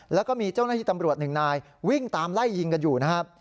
แล้วก็มีเจ้าหน้าที่ตำรวจหนึ่งนายวิ่งตามไล่ยิงกันอยู่นะครับ